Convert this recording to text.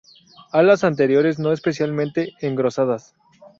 Alas anteriores no especialmente engrosadas.